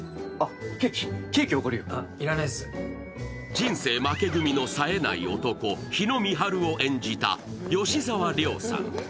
人生負け組のさえない男、日野三春を演じた吉沢亮さん。